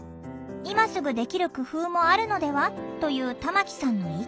「今すぐできる工夫もあるのでは？」という玉木さんの意見。